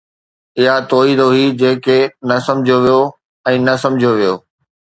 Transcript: اها توحيد هئي جنهن کي نه سمجھيو ويو ۽ نه سمجھيو ويو